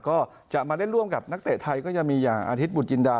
ก็จะมาเล่นร่วมกับนักเตะไทยก็จะมีอย่างอาทิตยบุตรจินดา